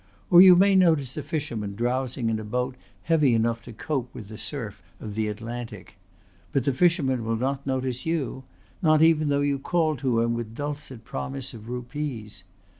Or you may notice a fisherman drowsing in a boat heavy enough to cope with the surf of the Atlantic. But the fisherman will not notice you not even though you call to him with dulcet promises of rupees.